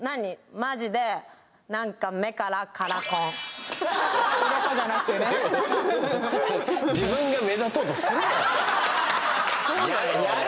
マジで何かうろこじゃなくてねやれ！